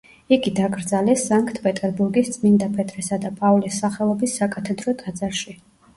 იგი დაკრძალეს სანქტ-პეტერბურგის წმინდა პეტრესა და პავლეს სახელობის საკათედრო ტაძარში.